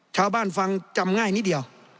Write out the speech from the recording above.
ชาวบ้านฟังจำง่ายนิดเดียว